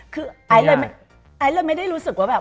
คือไอเลยไม่ได้รู้สึกว่าแบบ